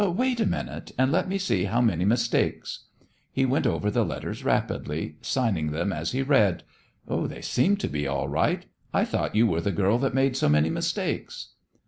Wait a minute and let me see how many mistakes." He went over the letters rapidly, signing them as he read. "They seem to be all right. I thought you were the girl that made so many mistakes."